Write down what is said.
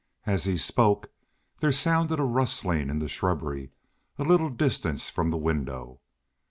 As he spoke there sounded a rustling in the shrubbery a little distance from the window.